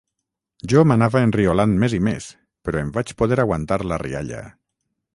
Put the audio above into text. Jo m'anava enriolant més i més, però em vaig poder aguantar la rialla.